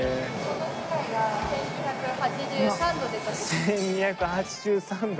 １２８３度。